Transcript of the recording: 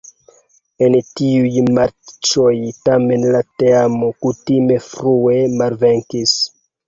En tiuj matĉoj tamen la teamo kutime frue malvenkis.